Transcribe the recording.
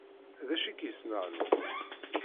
D acu i k-yesneɣnin?